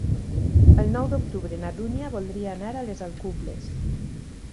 El nou d'octubre na Dúnia voldria anar a les Alcubles.